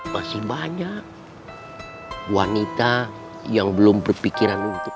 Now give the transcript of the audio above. masih banyak wanita yang belum berpikiran untuk